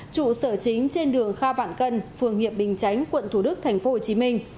trụ sở chính trên đường kha vạn cân phường hiệp bình chánh quận thủ đức thành phố hồ chí minh